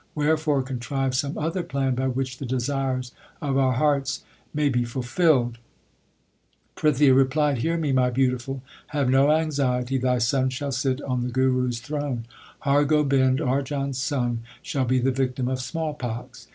Wherefore contrive some other plan by which the desires of our hearts may 1 Sorath. 42 THE SIKH RELIGION be fulfilled/ Prithia replied, Hear me, my beau tiful, have no anxiety ; thy son shall sit on the Guru s throne. Har Gobind, Arjan s son, shall be the victim of small pox.